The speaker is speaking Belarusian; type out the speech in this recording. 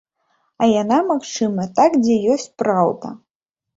А яна магчымая там, дзе ёсць праўда.